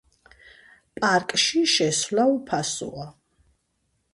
პარკში შესვლა უფასოა.